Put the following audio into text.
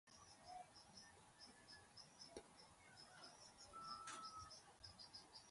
She has also taught at schools and at Harrow School of Art.